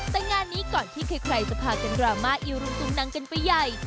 แต่งานนี้ก่อนที่ใครจะพากันดราม่าอีรุงตุงนังกันไปใหญ่